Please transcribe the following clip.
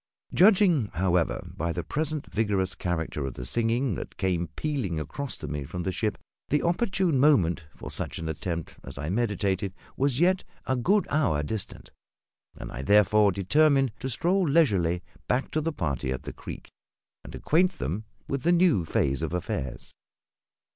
Judging, however, by the present vigorous character of the singing that came pealing across to me from the ship, the opportune moment for such an attempt as I meditated was yet a good hour distant, and I therefore determined to stroll leisurely back to the party at the creek, and acquaint them with the new phase of affairs.